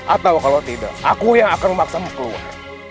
atau kalau tidak aku yang akan memaksamu keluar